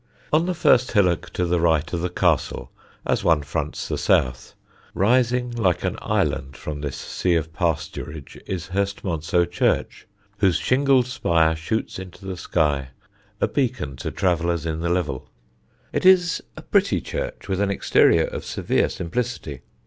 On the first hillock to the right of the castle as one fronts the south, rising like an island from this sea of pasturage, is Hurstmonceux church, whose shingled spire shoots into the sky, a beacon to travellers in the Level. It is a pretty church with an exterior of severe simplicity.